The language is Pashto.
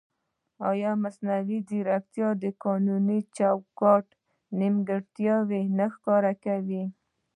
ایا مصنوعي ځیرکتیا د قانوني چوکاټ نیمګړتیا نه ښکاره کوي؟